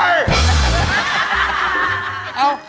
เอ้า